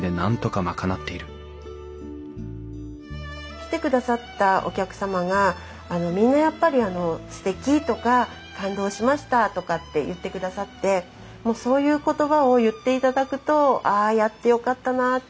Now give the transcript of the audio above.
来てくださったお客様がみんなやっぱりすてきとか感動しましたとかって言ってくださってそういう言葉を言っていただくとああやってよかったなって